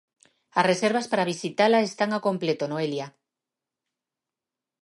As reservas para visitala están ao completo Noelia.